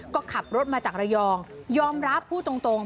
ก็ขับรถมาจากระยองยอมรับพูดตรง